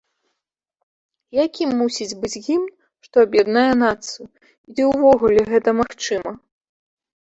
Якім мусіць быць гімн, што аб'яднае нацыю, і ці ўвогуле гэта магчыма?